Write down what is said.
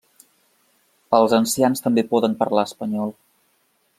Els ancians també poden parlar espanyol.